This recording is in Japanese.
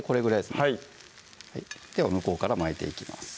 はいでは向こうから巻いていきます